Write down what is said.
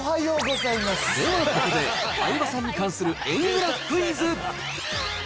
ではここで、相葉さんに関する円グラフクイズ。